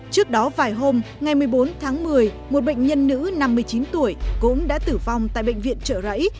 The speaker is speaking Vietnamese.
trước đó vài hôm ngày một mươi bốn tháng một mươi một bệnh nhân nữ năm mươi chín tuổi cũng đã tử vong tại bệnh viện trợ rẫy